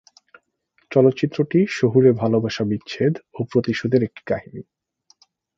চলচ্চিত্রটি শহুরে ভালোবাসা বিচ্ছেদ ও প্রতিশোধের একটি কাহিনী।